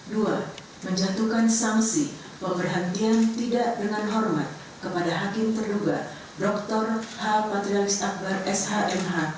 dua menjatuhkan sanksi pemberhentian tidak dengan hormat kepada hakim terduga dr h patrialis akbar s h m h